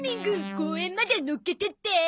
公園まで乗っけてって。